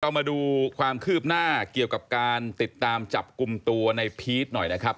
มาดูความคืบหน้าเกี่ยวกับการติดตามจับกลุ่มตัวในพีชหน่อยนะครับ